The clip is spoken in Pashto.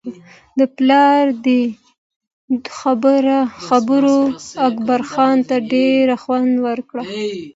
د پلار دې خبرو اکبرجان ته ډېر خوند ورکړ.